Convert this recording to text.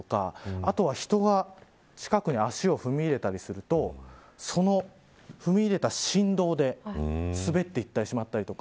あとは人が近くに足を踏み入れたりするとその踏み入れた振動で滑っていってしまったりとか。